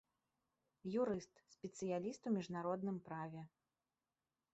Юрыст, спецыяліст у міжнародным праве.